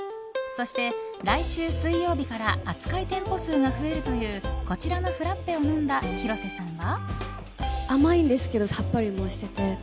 そして来週水曜日から扱い店舗数が増えるというこちらのフラッペを飲んだ広瀬さんは。